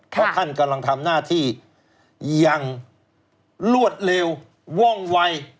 ว่าท่านกำลังทำหน้าที่ยังรวดเดียวว่องไวก